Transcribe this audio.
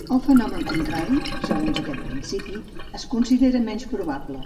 El fenomen contrari, segons aquest principi, es considera menys probable.